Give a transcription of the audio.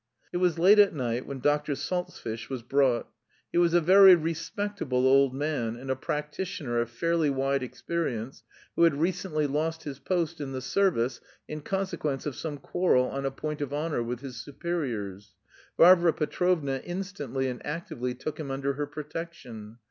It was late at night when Doctor Salzfish was brought. He was a very respectable old man and a practitioner of fairly wide experience who had recently lost his post in the service in consequence of some quarrel on a point of honour with his superiors. Varvara Petrovna instantly and actively took him under her protection.